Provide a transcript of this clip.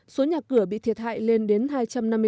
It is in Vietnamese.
số nhà cửa bị thiệt hại lên đến hai trăm năm mươi tám